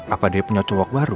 apa dia punya cowak baru